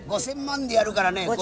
５，０００万でやるからね